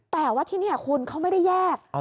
แต่ว่าที่นี่คุณเขาไม่ได้แยก